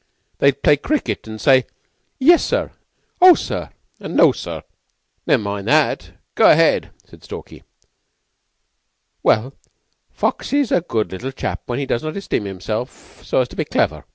They play cricket, and say: 'Yes sir,' and 'O, sir,' and 'No, sir.'" "Never mind that. Go ahead," said Stalky. "Well, Foxy's a good little chap when he does not esteem himself so as to be clever."